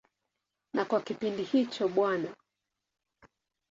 Na kwa kipindi hicho Bw.